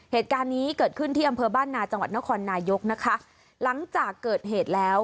เหตุการณ์นี้เกิดขึ้นที่อำเภอบ้านนาจังหวัดนครนายกนะคะหลังจากเกิดเหตุแล้ว